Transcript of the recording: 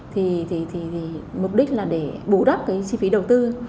thì mục đích là để bù đắp cái chi phí đầu tư